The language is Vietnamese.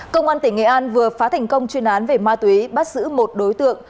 công an tỉnh nghệ an vừa phá thành công chuyên án về ma túy bắt giữ một đối tượng